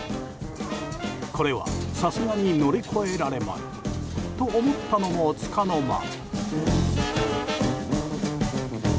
これはさすがに乗り越えられまいと思ったのも、つかの間。